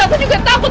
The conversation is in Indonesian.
aku juga takut